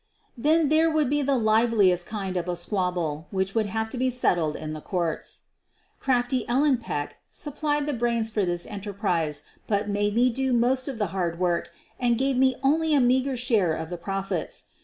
Then there would be the liveliest kind of a squabble, which would have to be settled in the courts. Crafty Ellen Peck supplied the brains for this enterprise but made me do most of the hard work and gave me only a meager share of the profits.